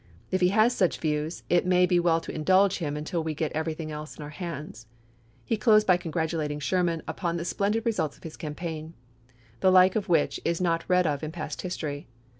If he has such views, it may be well to indulge him until we get everything else in our hands." He closed by congratulating Sherman Grant to upon the splendid results of his campaign, "the DecTs?' like of which is not read of in past history."